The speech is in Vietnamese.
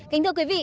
kính thưa quý vị